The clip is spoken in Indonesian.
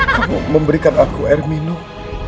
kamu memberikan aku air minum